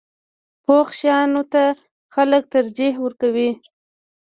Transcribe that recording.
پخو شیانو ته خلک ترجیح ورکوي